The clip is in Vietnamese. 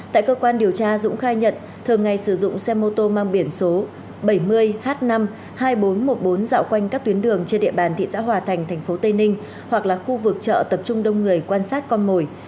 tại cơ quan điều tra dũng khai nhận thường ngày sử dụng xe mô tô mang biển số bảy mươi h năm hai nghìn bốn trăm một mươi bốn dạo quanh các tuyến đường trên địa bàn thị xã hòa thành thành phố tây ninh hoặc là khu vực chợ tập trung đông người quan sát con mồi